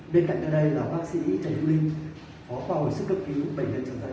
bên cạnh đây là bác sĩ trần du linh phó phòng sức cấp cứu bệnh nhân trợ giấy